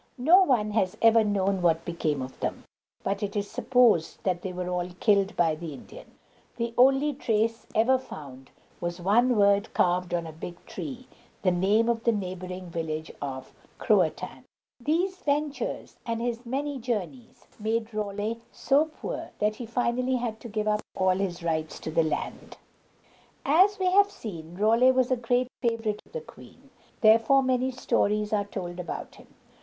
No one has ever known what became of them, but it is supposed that they were all killed by the Indians. The only trace ever found was one word carved on a big tree, the name of the neighboring village of Croa tan´. These ventures, and his many journeys, made Raleigh so poor that he finally had to give up all his rights to the land. As we have seen, Raleigh was a great favorite of the queen, therefore many stories are told about him.